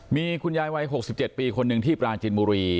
มีคุณยายวัย๖๗ปีคนหนึ่งที่ปราจินบุรี